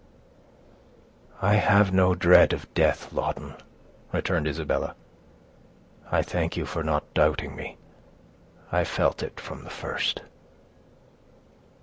"I have no dread of death, Lawton," returned Isabella. "I thank you for not doubting me; I felt it from the first."